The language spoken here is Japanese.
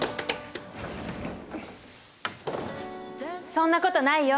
そんなことないよ。